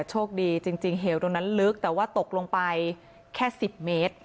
โชคดีจริงเหวตรงนั้นลึกแต่ว่าตกลงไปแค่๑๐เมตร